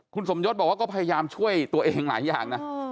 คุณสมยศบอกว่าก็พยายามช่วยตัวเองหลายอย่างนะ